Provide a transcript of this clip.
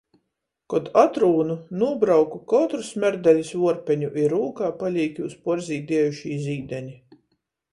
Kod atrūnu, nūbrauku kotru smerdelis vuorpeņu, i rūkā palīk jūs puorzīdiejušī zīdeni.